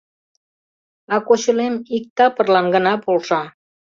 А кочылем иктапырлан гына полша.